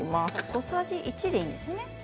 小さじ１でいいんですね。